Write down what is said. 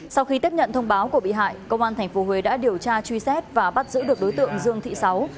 sau khi tiếp nhận thông báo của bị hại công an tp huế đã điều tra truy xét và bắt giữ được đối tượng dương thị sáu